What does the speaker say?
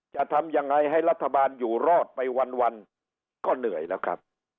จะทำยังไงให้รัฐบาลอยู่รอดไปวันก็เหนื่อยแล้วครับ